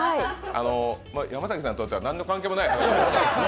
山崎さんにとっては何の関係もない話で。